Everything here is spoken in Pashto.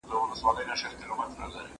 خو حیران سو چي سړی دومره هوښیار دی